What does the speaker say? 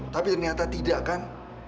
tapi ternyata tidak kan